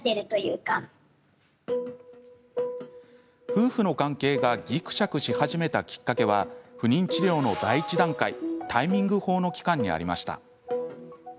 夫婦の関係がぎくしゃくし始めたきっかけは不妊治療の第一段階タイミング法の期間にありました。